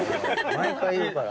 毎回言うから。